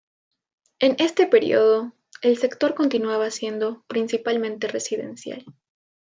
En este período, el sector continuaba siendo principalmente residencial.